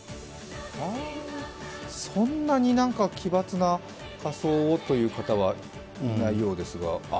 そんなに、なんか奇抜な仮装という方はいないようですが。